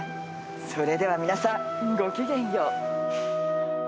それでは皆さんごきげんよう。